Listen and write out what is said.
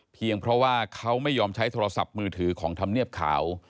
เพราะว่าเขาไม่ยอมใช้โทรศัพท์มือถือของธรรมเนียบขาว